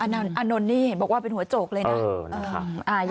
อานนท์นี่เห็นบอกว่าเป็นหัวโจกเลยนะ